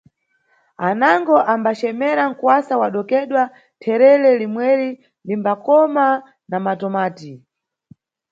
Anango ambacemera nkuwasa wa dokedwa, therere limweri limbakoma na matumati.